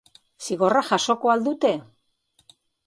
Zigorra jasoko al dute?